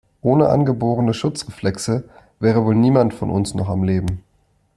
Ohne angeborene Schutzreflexe wäre wohl niemand von uns noch am Leben.